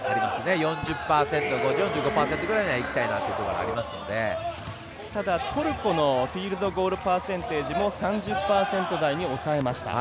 ４０％４５％ぐらいまでただトルコのフィールドゴールパーセンテージも３０％台に抑えました。